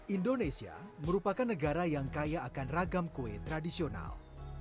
indonesia merupakan negara yang kaya akan ragam kue tradisional